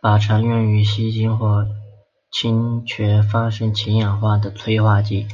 钯常用于烯烃或炔烃发生氢化反应的催化剂。